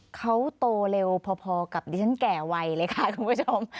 เขาโตเร็วพอกับดิฉันแก่วัยเลยค่ะคุณผู้ชม